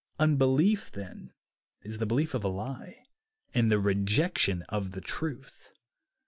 Un belief, then, is the belief of a lie and the rejection of the truth.